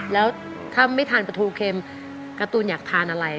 แล้วถ้าไม่ทานปลาทูเค็มการ์ตูนอยากทานอะไร